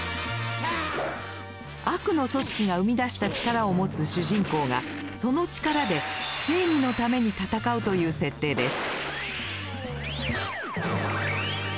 悪の組織が生み出した力を持つ主人公がその力で正義のために戦うという設定です。